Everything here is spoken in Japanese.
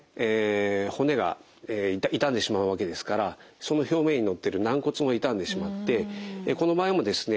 骨が傷んでしまうわけですからその表面にのっている軟骨も傷んでしまってこの場合もですね